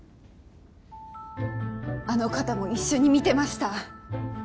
あの方も一緒に見てました